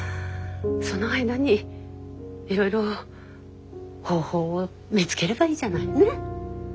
その間にいろいろ方法を見つければいいじゃない。ね？